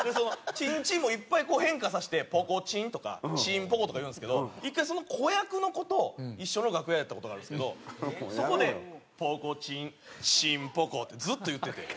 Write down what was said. チンチンもいっぱい変化させてポコチンとかチンポコとか言うんですけど１回子役の子と一緒の楽屋やった事があるんですけどそこで「ポコチンチンポコ」ってずっと言ってて。